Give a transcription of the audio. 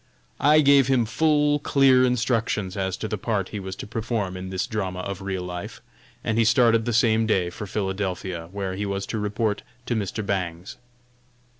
I gave him full, clear instructions as to the part he was to perform in this drama of real life, and he started the same day for Philadelphia, where he was to report to Mr. Bangs.